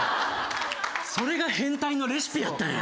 それが変態のレシピやったんや。